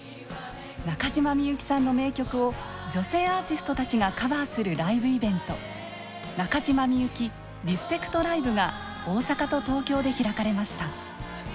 中島みゆきさんの名曲を女性アーティストたちがカバーするライブイベント「中島みゆきＲＥＳＰＥＣＴＬＩＶＥ」が大阪と東京で開かれました。